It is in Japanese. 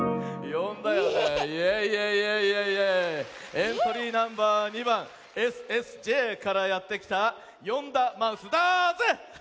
エントリーナンバー２ばんＳＳＪからやってきたヨンダマウスだぜ！